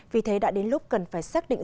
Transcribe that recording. vì thế đã đến lúc cần phải xác định